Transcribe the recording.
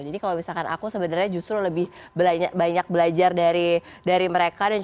kalau misalkan aku sebenarnya justru lebih banyak belajar dari mereka